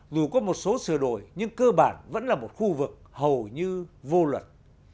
dù có một số sửa đổi nhưng cơ bản vẫn là một khu vực hầu như vô luật